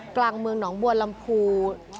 กลางเมืองหนองบัวลำพู